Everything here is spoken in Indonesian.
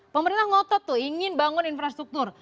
pemerintah ngotot tuh ingin bangun infrastruktur